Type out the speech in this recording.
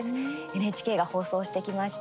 ＮＨＫが放送してきました